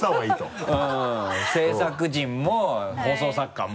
うん制作陣も放送作家も。